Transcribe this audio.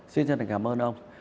xin chân thành cảm ơn ông